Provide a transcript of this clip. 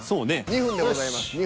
２分でございます。